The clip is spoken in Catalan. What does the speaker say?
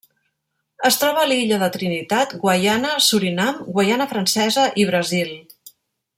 Es troba a l'Illa de Trinitat, Guaiana, Surinam, Guaiana Francesa i Brasil.